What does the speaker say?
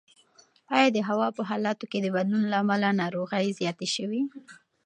ایا د هوا په حالاتو کې د بدلون له امله ناروغۍ زیاتې شوي؟